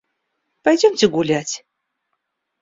Пойдемте гулять.